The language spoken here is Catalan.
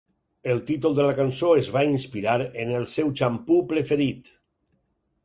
El títol de la cançó es va inspirar en el seu xampú preferit.